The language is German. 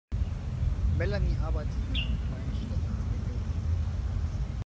Melanie arbeitet in einer kleinen Stadt als Bäckerin.